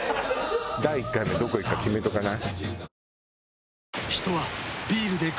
第１回目どこ行くか決めとかない？